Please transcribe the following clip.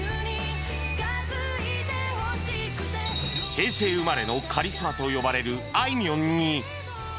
平成生まれのカリスマと呼ばれるあいみょんに